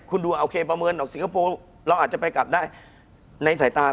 คุณผู้ชมบางท่าอาจจะไม่เข้าใจที่พิเตียร์สาร